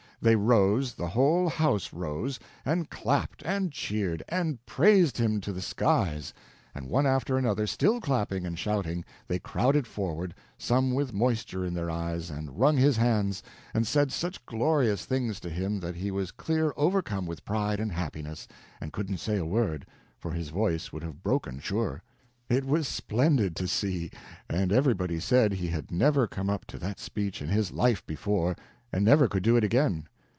They rose—the whole house rose—an clapped, and cheered, and praised him to the skies; and one after another, still clapping and shouting, they crowded forward, some with moisture in their eyes, and wrung his hands, and said such glorious things to him that he was clear overcome with pride and happiness, and couldn't say a word, for his voice would have broken, sure. It was splendid to see; and everybody said he had never come up to that speech in his life before, and never could do it again.